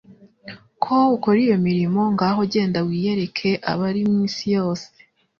Ko ukora iyo mirimo, ngaho genda wiyereke abari mu isi yose.»